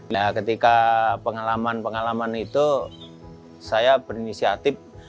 nah ketika pengalaman pengalaman itu saya berinisiatif